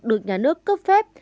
được nhà nước cấp phép